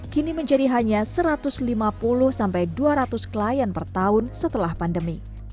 kini menjadi hanya satu ratus lima puluh sampai dua ratus klien per tahun setelah pandemi